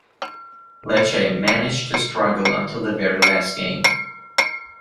Lecce managed to struggle until the very last game.